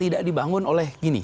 tidak dibangun oleh gini